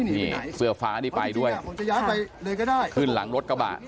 นี่เสื้อฟ้านี่ไปด้วยขึ้นหลังรถกระบะ